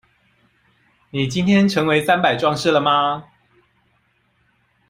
你今天成為三百壯士了嗎？